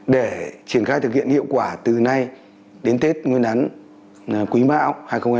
để triển khai thực hiện hiệu quả từ nay đến tết nguyên đán quý mão hai nghìn hai mươi